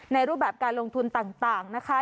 รูปแบบการลงทุนต่างนะคะ